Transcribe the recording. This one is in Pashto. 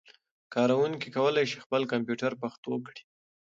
کاروونکي کولای شي خپل کمپيوټر پښتو کړي.